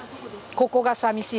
・そこがさみしい？